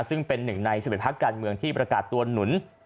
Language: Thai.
ซึ่งเป็นหนึ่งใน๑๑พักการเมืองที่ประกาศตัวหนุน